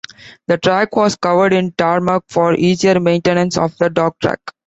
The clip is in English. The track was covered in tarmac for easier maintenance of the dog track.